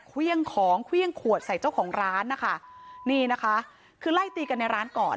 เครื่องของเครื่องขวดใส่เจ้าของร้านนะคะนี่นะคะคือไล่ตีกันในร้านก่อน